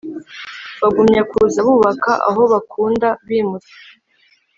bagumya kuza bubaka aho bakunda bimutse.